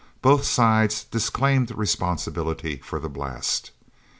Both sides disclaimed responsibility for the blast.